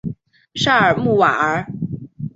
沙尔穆瓦尔。